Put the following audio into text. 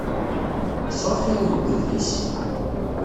Yesṛuḥ yiwen n udlis.